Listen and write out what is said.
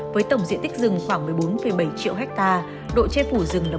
với tổng diện tích rừng khoảng một mươi bốn bảy triệu hectare độ chê phủ rừng là bốn mươi hai